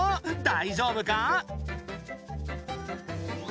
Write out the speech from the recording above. ⁉大丈夫か？